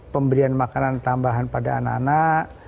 pemberian makanan tambahan pada anak anak